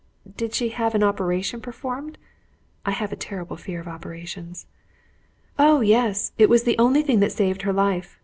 "Did she have an operation performed?" I have a terrible fear of operations. "Oh, yes. It was the only thing that saved her life.